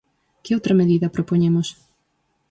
¿Que outra medida propoñemos?